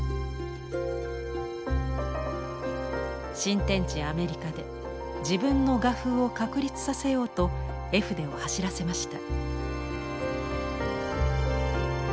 新天地アメリカで自分の画風を確立させようと絵筆を走らせました。